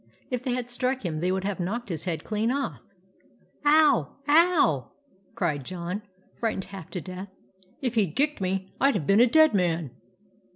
If they had struck him they would have knocked his head clean off. " Ow ! ow !" cried John, frightened half to death. "If he'd kicked me, I'd have been a dead man